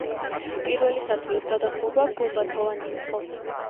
პირველი სართულის გადახურვა გუმბათოვანი იყო.